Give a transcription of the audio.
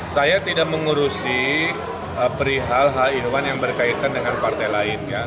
saya tidak mengurusi perihal hal inwan yang berkaitan dengan partai lain